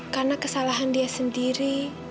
karena kesalahan dia sendiri